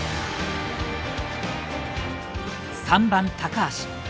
３番・高橋。